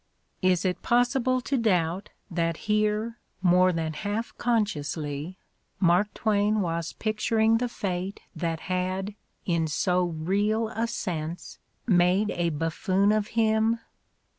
Is it possible to doubt Those Extraordinary Twins 191 that here, more than half consciously, Mark Twain was picturing the fate that had, in so real a sense, made a buffoon of him?